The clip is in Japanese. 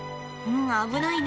危ないね。